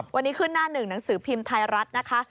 วันนี้ขึ้นหน้าหนึ่งหนังสือพิมพ์ไทยรัฐนะคะ